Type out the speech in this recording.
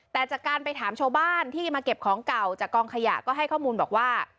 แต่จากการไปถามชาวบ้านที่มาเก็บของเก่าจากกองขยะก็ให้ข้อมูลบอกว่า